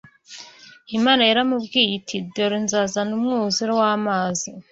Imana yaramubwiye iti dore nzazana umwuzure w’amazi